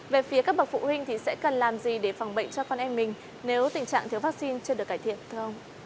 về phía các bậc phụ huynh thì sẽ cần làm gì để phòng bệnh cho con em mình nếu tình trạng thiếu vaccine chưa được cải thiện thưa ông